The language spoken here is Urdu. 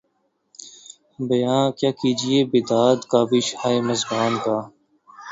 بیاں کیا کیجیے بیداد کاوش ہائے مژگاں کا